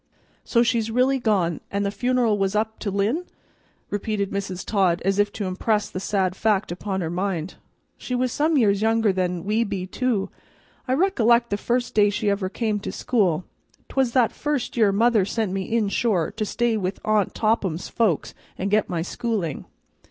"So she's really gone, and the funeral was up to Lynn!" repeated Mrs. Todd, as if to impress the sad fact upon her mind. "She was some years younger than we be, too. I recollect the first day she ever came to school; 'twas that first year mother sent me inshore to stay with aunt Topham's folks and get my schooling.